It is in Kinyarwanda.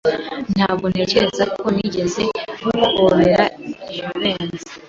Ntabwo ntekereza ko nigeze guhobera Jivency.